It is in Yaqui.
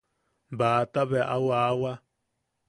Baʼata bea au aʼawa.